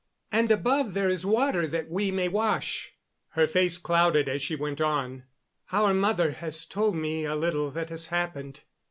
And above there is water, that we may wash." Her face clouded as she went on: "Our mother has told me a little that has happened.